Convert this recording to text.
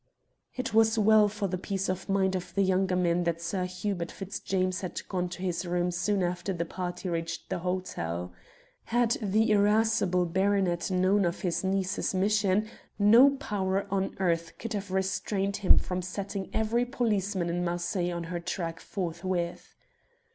It was well for the peace of mind of the younger men that Sir Hubert Fitzjames had gone to his room soon after the party reached the hotel. Had the irascible baronet known of his niece's mission, no power on earth could have restrained him from setting every policeman in Marseilles on her track forthwith.